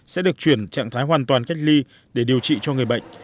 sẽ được chuyển trạng thái hoàn toàn cách ly để điều trị cho người bệnh